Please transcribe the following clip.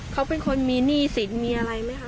เขาเป็นคนมีหนี้สินมีอะไรไหมคะ